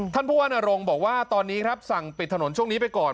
ท่านผู้ว่านรงค์บอกว่าตอนนี้ครับสั่งปิดถนนช่วงนี้ไปก่อน